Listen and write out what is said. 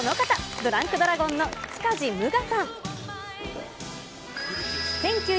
ドランクドラゴンの塚地武雅さん。